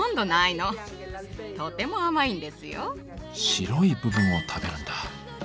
白い部分を食べるんだ。